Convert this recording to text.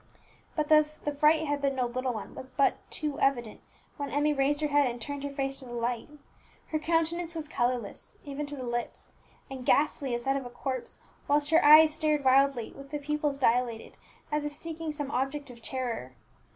But that the fright had been no little one was but too evident when Emmie raised her head, and turned her face to the light. Her countenance was colourless, even to the lips, and ghastly as that of a corpse, whilst her eyes stared wildly, with the pupils dilated, as if seeking some object of terror.